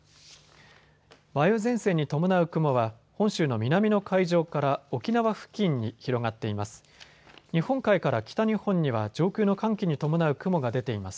梅雨前線に伴う雲は本州の南の海上から沖縄付近に広がっています。